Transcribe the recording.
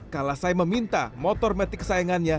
kalau saya meminta motor metik saingannya